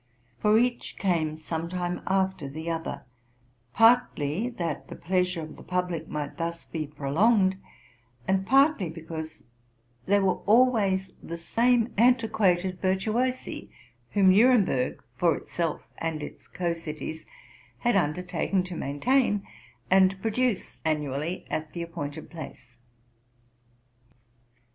For each came some time after the other, partly that the pleasure of the public might thus be prolonged, and partly because they were always the same antiquated virtuosi whom Nuremburg, for itself and its co cities, had undertaken to maintain, and produce annually at the appointed place.